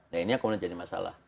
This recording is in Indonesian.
nah ini yang kemudian jadi masalah